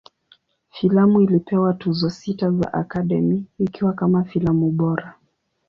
Filamu ilipewa Tuzo sita za Academy, ikiwa kama filamu bora.